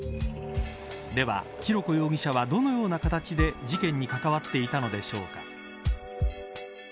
では浩子容疑者はどのような形で事件に関わっていたのでしょうか。